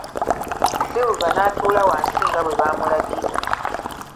Silver n'atuula wansi nga bwe baamulagira.